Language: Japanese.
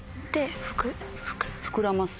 膨らます。